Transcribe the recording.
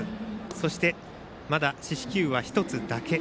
そして、まだ四死球は１つだけ。